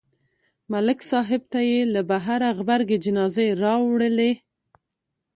ملک صاحب ته یې له بهره غبرګې جنازې راوړلې